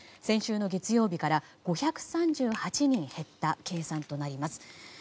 先週の月曜日から５３８人減った計算となります。